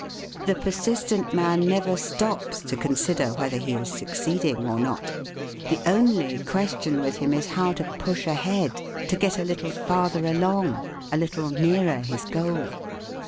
The persistent man never stops to consider whether he is succeeding or not. The only question with him is how to push ahead, to get a little farther along, a little nearer his goal.